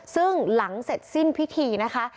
ซึ่งหลังเสร็จสิ้นพิธีนะคะ